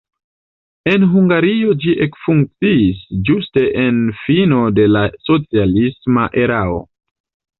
En Hungario ĝi ekfunkciis ĝuste en fino de la socialisma erao.